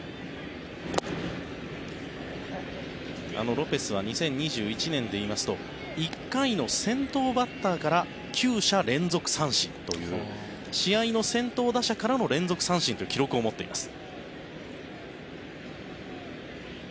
ロペスは２０２１年でいいますと１回の先頭バッターから９者連続三振という試合の先頭打者からの連続三振という記録を持っています。